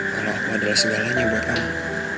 kalau aku adalah segalanya buat kamu